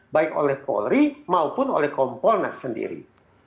baik oleh polri maupun oleh kompolnas sendiri